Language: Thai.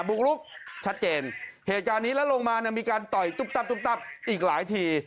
บุกลุกชัดเจนเหตุการณ์นี้แล้วลงมาเนี่ยมีการต่อยตุ๊บตับตุ๊บตับอีกหลายที